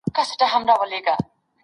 که یاران وي که شراب بس چي زاړه وي